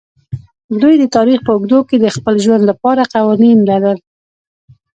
دوی د تاریخ په اوږدو کې د خپل ژوند لپاره قوانین لرل.